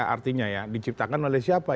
artinya ya diciptakan oleh siapa